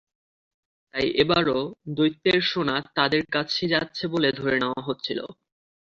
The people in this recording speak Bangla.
তাই এবারও দ্বৈতের সোনা তাঁদের কাছেই যাচ্ছে বলে ধরে নেওয়া হচ্ছিল।